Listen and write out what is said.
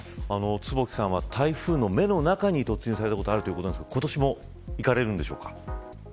坪木さんは、台風の目の中に突入されたことがあるということですが今年も行かれるんでしょうか。